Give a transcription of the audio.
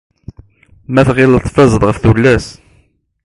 Ma tɣileḍ tfazeḍ ɣef tullas.